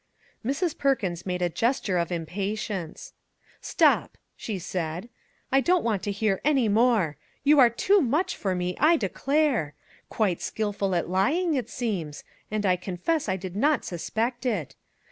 Mrs. Perkins made a gesture of impatience. 83 MAG AND MARGARET " Stop !" she said ;" I don't want to hear any more. You are too much for me, I declare ! Quite skillful at lying, it seems; and I confess I did not suspect it.